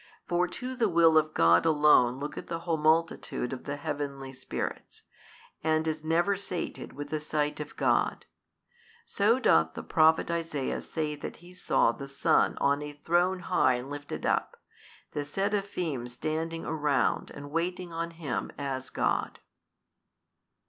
For to the will of God alone looketh the whole multitude of the heavenly spirits, and is never sated with the sight of God. So doth the Prophet Isaiah say that he saw the Son on a throne high and lifted up, the Seraphin standing around and waiting on Him as God.